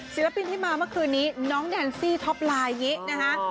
ศิลปินที่มาเมื่อคืนนี้น้องแดนซี่ท็อปไลน์ินะฮะ